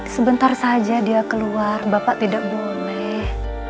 sebentar saja dia keluar bapak tidak boleh